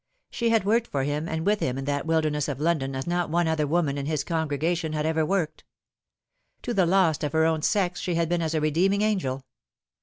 She had worked for him and with him in that; wilderness of London as not one other woman in his congregation had ever worked. To the lost of her own sex she had been as a redeeming angel.